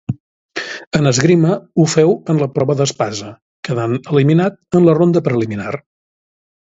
En esgrima ho féu en la prova d'espasa, quedant eliminat en la ronda preliminar.